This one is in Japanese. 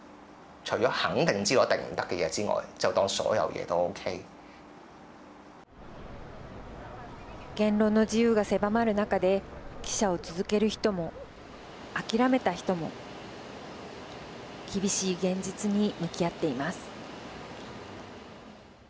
言論の自由が狭まる中で記者を続ける人も諦めた人も厳しい現実に向き合っています。